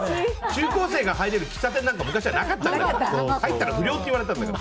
中高生が入れる喫茶店なんか昔はなかったんだよ。